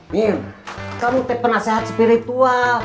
nin kamu penasehat spiritual